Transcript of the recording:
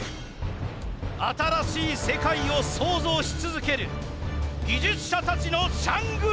新しい世界を創造し続ける技術者たちのシャングリラ！